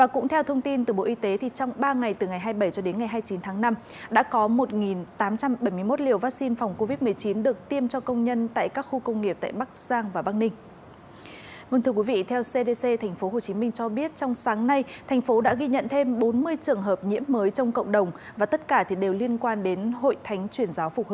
các bạn hãy đăng ký kênh để ủng hộ kênh của chúng mình nhé